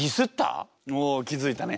お気付いたね。